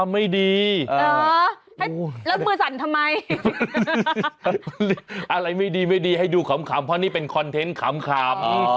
ไม่ไหวไม่ไหวไปกับจ๋า